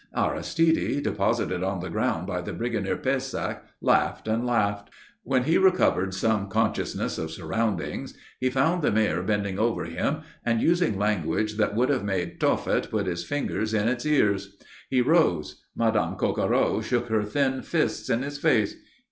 Aristide, deposited on the ground by the Brigadier Pésac laughed and laughed. When he recovered some consciousness of surroundings, he found the Mayor bending over him and using language that would have made Tophet put its fingers in its ears. He rose. Madame Coquereau shook her thin fists in his face.